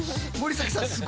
森崎さん